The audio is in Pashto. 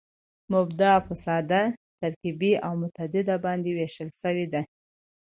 مبتداء په ساده، ترکیبي او متعدده باندي وېشل سوې ده.